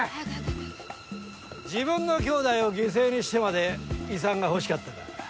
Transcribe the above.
自分のきょうだいを犠牲にしてまで遺産が欲しかったか。